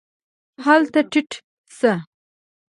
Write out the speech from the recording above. هله ټیټ شه !